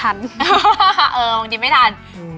เออบางอย่างจะทำพิมพ์เองเลยเพราะว่าพิมพ์ไม่ทัน